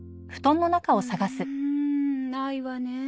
うんないわねえ。